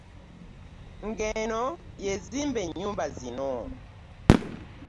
Ng'eno y'ezimba ennyumba zino